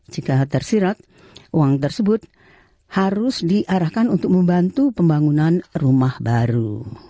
jika tersirat uang tersebut harus diarahkan untuk membantu pembangunan rumah baru